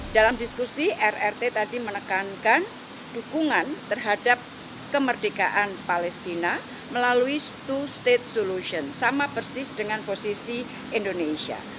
dalam diskusi rrt tadi menekankan dukungan terhadap kemerdekaan palestina melalui to state solution sama persis dengan posisi indonesia